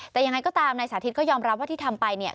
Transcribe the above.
แต่ยังไงก็ตามนายสาธิตก็ยอมรับว่าที่ทำไปเนี่ย